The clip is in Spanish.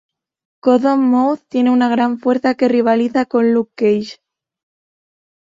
Cottonmouth tiene una gran fuerza que rivaliza con Luke Cage.